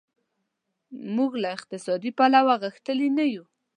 موږ له اقتصادي پلوه غښتلي نه یو.